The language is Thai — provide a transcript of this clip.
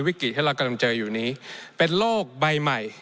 วิกฤตที่เรากำลังเจออยู่นี้เป็นโรคใบใหม่